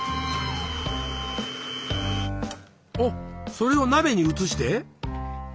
それを鍋に移して？